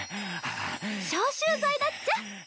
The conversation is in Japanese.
消臭剤だっちゃ。